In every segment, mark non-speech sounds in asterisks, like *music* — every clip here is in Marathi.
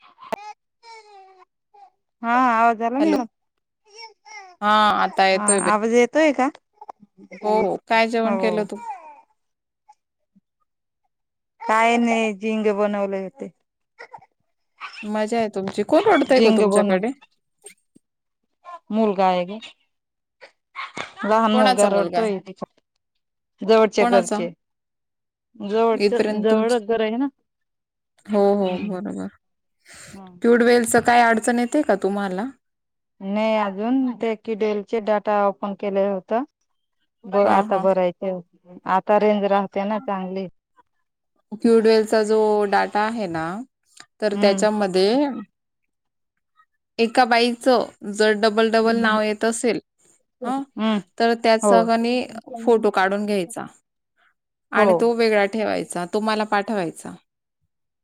*unintelligible* हा आवाज आला हॅलो मूड्म हा आता हा येतोय बाई आवाज येतोय का? हो काय जेवण केलं हो तू? काय नाही झिंग बनवले होेत. मज्जा आहे तुमची कोण ओडताय ग, झिंग तुमच्याकडे. मूल गाय ग, लहान मुलगा कोणाचा आहे रडतोय, त जवळचे कोणाचा करचे. जवळच इथपर्यंत तुम जवळच घर आहे ना. हो हो हम्म बरोबर क्युडवेल च, काय अडचण येते का तुम्हाला? नाही अजून दे कि डेल चे डाटा ओपन केले होत. ब हा आता हा बरायचे आता रेंज राहते ना चांगली. क्युबवेलचा जो डाटा आहे, ना तर हम्म त्याच्यामध्ये, एका बाईचं जर डबल डबल नाव येत असेल, हं हम्म तर त्या हो सळाणी फोटो काढून घ्यायचा. हो आणि तो वेगळा ठेवायचा तो मला पाठवायचा,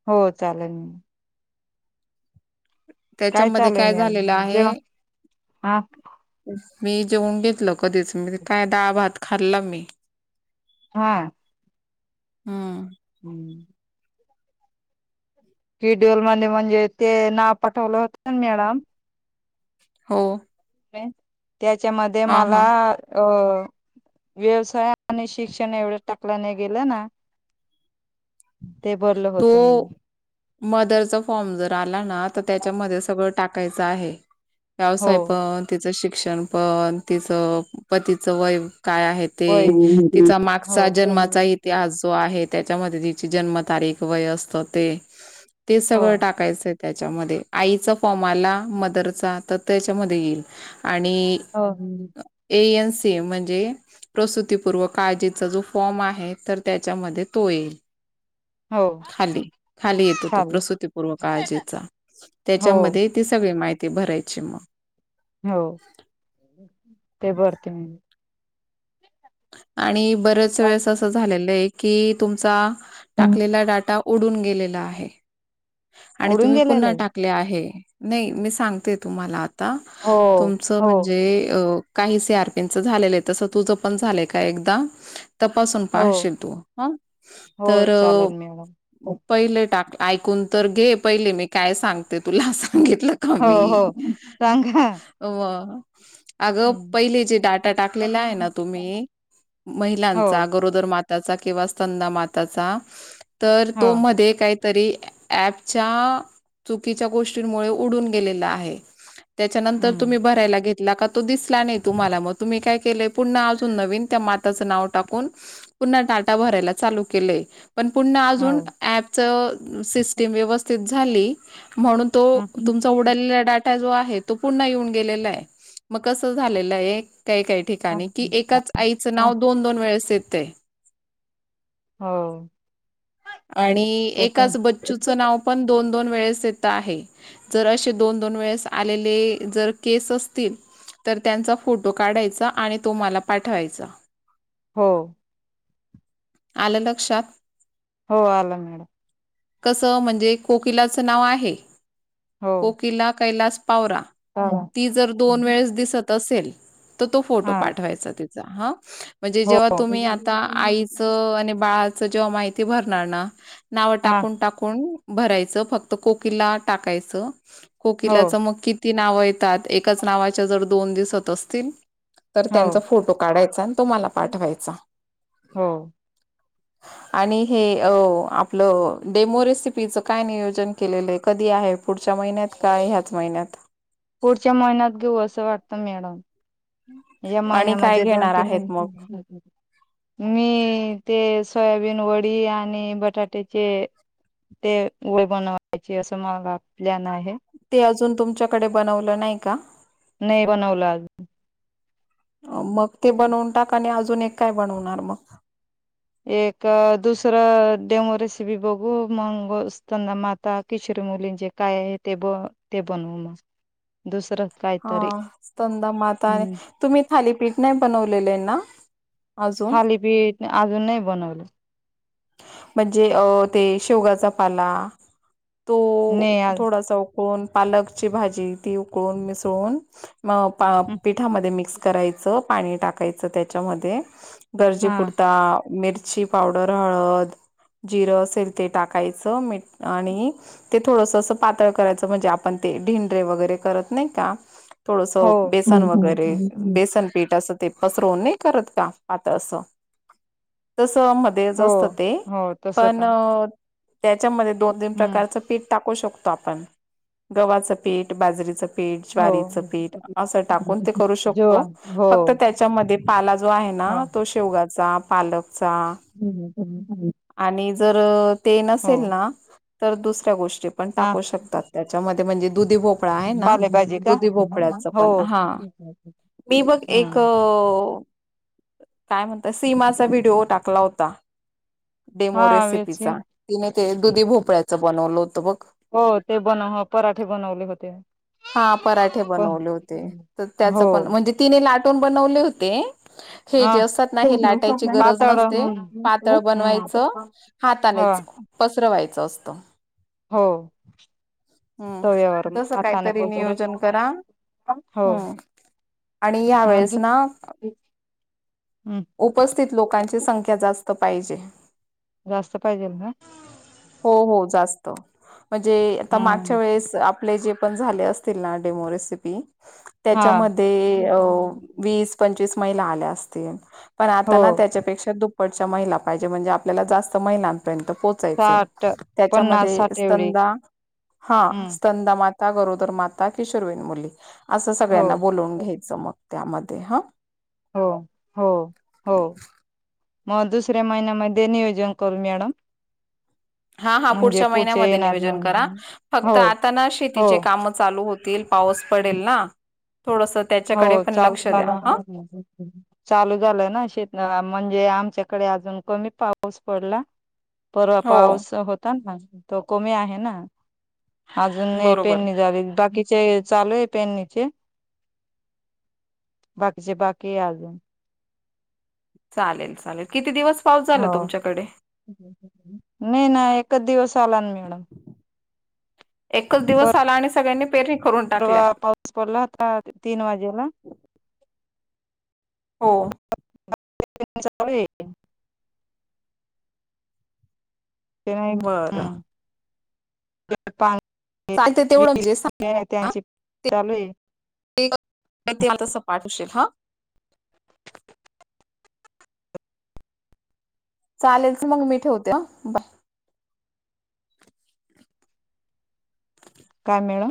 हो चालेल. त्याच्यामध्ये चालू काय मॅम झालेलं जेव्हा आहे. हा *unintelligible* मी जेवण घेतलं कधीच म काय दहा भात खाल्ला मी. हा हम्म, हम्म शेड्युल मध्ये म्हणजे ते नाव पठवलं होत मॅडम. हो त्याच्यामध्ये हा मला हा अ, व्यवसाय आणि शिक्षण एवढं टाकला नाही गेलं ना. *unintelligible* तो होत मी मदरचा फॉर्म जर आला ना तर त्याच्यामध्ये सगळं. टाकायचा आहे, हो व्यावसाय पण तिचिक, शिक्षण पण तिचं पतीचं वयफ, काय आहे होय ते तिचा हो मागचा हो जन्माचा इतिहास जो आहे. त्याच्यामध्ये तिची जन्मतारीख वय असत, ते ते सगळं टाकायचं. त्याच्यामध्ये आईचा फॉर्म आला मदरचा तर त्याच्यामध्ये येईल. आणि हो ए एन े म्हणजे प्रसपूर्व काळजीचा जो फॉर्म आहे, तर त्याच्यामध्ये तो येईल. हो खाली खाली येतो तो, चालेल प्रसुतीपूर्व काळजीचा. हो त्याच्यामध्ये ती सगळी माहिती भरायची मगं. हो. ते बर ते आणि बरेच वेळेस असं झालेलं आहे की तुमचा टाकलेला डाटा उडून गेलेला आहे आणि उडून तुम्ही गेलेलं पुन्हा आहे टाकले आहे. नाही मी सांगते तुम्हाला आता हो तुमचं हो म्हणजे काही सी आरपीनचं झालेलं आहे तसं तुझं पण झालंय का एकदा तपासून हो पाहशील तू ह हो तर चालेल मॅडम हो पहिले टाका. ऐकून तर घे पहिले मी काय सांगते तुला असं. घेतलं का मी हो सांगा *inaudible* अगं हम्म. पहिले जे डाटा टाकलेला आहे ना तुम्ही महिलांचा हो गरोदर मात किंवा स्तनदा माताचा तर हो तो मध्ये काहीतरी ॲपच्या चुकीच्या गोष्टींमुळे उडून गेलेला आहे. त्याच्यानंतर तुम्ही हम्म भरायला घेतला का? तो दिसला नाही तुम्हाला मगं तुम्ही कायं केलाय पुन्हा अजून नवीन त्या माताच नाव टाकून पुन्हा टाक डाटा भरायला चालू केलंय. पण पुन्हा अजून हो. ॲपच सिस्टीम व्यवस्थित झाली म्हणून तो तुमचा उडालेला डाटा जो आहे तो पुन्हा येऊन गेलेला आहे मगं कसं झालेलं. काही काही ठिकाणी कि एकाच आईचं नाव दोन दोन वेळेस येत आहे. हो आणि तसं एकाच बच नाव पण दोन दोन वेळेस येत आहे. जर आशे दोन दोन वेळेस आलेले जर केस असतील तरं त्यांचा फोटो काढायचा आणि तो मला पाठवायचा. हो. आलं लक्षात. हो आला मॅडम. कसं म्हणजे कोकिलाचं नाव आहे. हो कोकिला कैलास पावरा हा हो. ती जर दोन वेळेस दिसतं असेल तर तो फोटो हा पाठवायचा तिचा हा म्हणजे जेव्हा तुम्ही आता आईचं आणि बाळाचं जेव्हा माहिती भरणार ना *unintelligible* भरायच फक्त कोकिला टाकायच. हो कोकणाचं मगं कि ती नावं येतात एकाच नावाच्या जर दोन दिसत असतील तर हो त्यांचा फोटो काढायचा आणि तो मला पाठवायचा. हो आणि हे अ आपलं डेमो रेसिपीचं काय नियोजन केलेलंय कधी आहे पुढच्या महिन्यात का ह्याच महिन्यात हम्म. या आणि काय महिन्यामध्ये दोन घेणार तीन आहेत मग मे ते सोयाबीन वडी आणि बटाट्याचे ते वय बनवायची असं मालाा प्लॅन आहे. ते अजून तुमच्याकडे बनवलं नाही का. नाही बनवलं आज मगं ते बनवून टाक आणि अजून एक काय बनवणारं मगं? एक दुसरं डेमो रेसिपी बघू मगं स्तनदा माता किशर- मुलीेंचे काय आहे ते बन बनवू मग दुसरं हा काहीतरी स्तनदा माता आणि हम्म तुम्ही थालीपीठ नाही बनवलेले आहे ना? अजून थालीपीठ अजून नाही बनवले. म्हणजे अ ते शेवगाचा पाला तो नाही आज थोडासा उकळून पालकची भाजी ती उकळून मिसळून. मगं पिठामध्ये मिक्स करायचं पाणी टाकायचं त्याच्यामध्ये हा गरजेपुर्ता मिरची पावडर, हळद जिरं असेल ते टाकायचं मीठ आणि ते थोडस अस पातळ करायचं म्हणजे आपण धिंडे वगैरे करत नाही का? थोडस हो बेसन वगैरे बेसन पीठ अस ते पसरवून नाही करत का आता अस. तस तेच हो असतं ते हो तसं पण का अ त्याच्यामध्ये दोन तीन हम्म प्रकारचं पीठ टा कु शकतो आपण गव्हाचं पीठ बाजरीच पीठ हो ज्वारीचं पीठ अस टाकून ते करू जो शकतो हो फक्त त्याच्यामध्ये पाला जो आहे. हो ना तो शेवगाचा, पालकचा. *inaudible* आणि जर ते नसेल ना तर दुसऱ्या गोष्टी चे पण हा टाकू शकतात त्याच्यामध्ये म्हणजे दुधी भोपळा आहे, ना पालेभाजी का दुधी भोपळ्याच हो पण हा. *unintelligible* मी बघ एक हम्म काय म्हणत सीमाचा व्हिडिओ टाकला होता. हा डेमो वेसिम रेसिपीचा तिने ते दुधी भोपळ्याचं बनवलं होतं बघ. हो ते बन पराठे बनवले होते. हा पराठे पण बनवले होते, तर त्याच हो पण म्हणजे तिने लाटून बनवले होते. हे अ जे असतात ना हे लाटायची गरज पातळ नसते. हम्म हम्म पातळ बनवायचं हो हातानेच पसरवायचं असतं. हो. हम्म तव्यावर तसं हाताने काहीतरी पसरून नियोजन करा हो हम्म. आणि मग यावेेळेस ना हम्म उपस्थित लोकांची संख्या जा स्त पाहिजे. जास्त पाहिजेल ना. त म्हणजे आता मागच्या हम्म वेळेस आपले जे पण झाले असतील ना डेमो रेसिपी. हा त्याच्यामध्ये वीस पंचवीस महिला आल्या असतील. पण आता हो ना त्याच्यापेक्षा दुप्पटच्या महिला पाहिजे म्हणजे आपल्याला जास्त महिलांपर्यंत पोचायचय. साठ पन्नास त्याच्यामध्ये साठ एवढी स्तंदा हा हम्म स्तंदा मा ता गरोदर माता की शिर्वीन मुली असं सगळ्यांना बोलवून हो घ्यायचं मग त्याम ध्ये हा. हो हो हो. मग दुसऱ्या महिन्यामध्ये नियोजन करू मॅडम. हा हा म्हणजे पुढच्या पुढचे महिन्यामध्ये येणार नियोजन करा. नाही फक्त हो आता हो शेतीचे काम चालू हो तील पाऊस पडेल ना. थोडस हो त्याच्याकडे पण चालू लक्ष द्या हा झालं चालू झालं ना शेत म्हणजे आमच्या कडे अजून कमी पाऊस पडला परवा हो पाऊस होता ना. तो कमी आहे, ना अजून बरोबर. पेनणी झाली बाकी चे चालूय पेरणिचे. बाकीचे बाकी अजून. चालेल चालेल किती दिवस. पाऊस हो झाला तुमच्याकडे नाही ना एकच दिवस. चालन मॅडम. एकच दिवस आला आणि सगळ्यांनी पेरणी करून परवा टाकल्या पाऊस पडला होता तीन वाजेला? हो. *unintelligible* ते नाही बरं हम्म, *unintelligible* पाणी चालत तेवढं *unintelligible* जे त्यांची चालू आहे. ते ते आता सपाठ होशील हं. *unintelligible* चालेल तर मग मी ठेवते अ बाय. काय मॅडम?